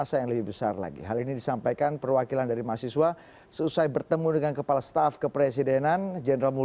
sangat disayangkan kami tidak percaya